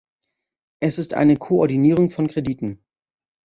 Es ist eine Koordinierung von Krediten.